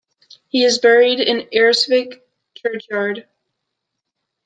He is buried in Inveresk churchyard.